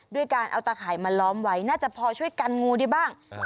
ด้วยการเอาตาข่ายมาล้อมไว้น่าจะพอช่วยกันงูได้บ้าง